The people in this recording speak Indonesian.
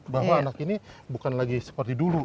bahwa anak ini bukan lagi seperti dulu